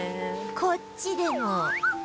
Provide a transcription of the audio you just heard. こっちでも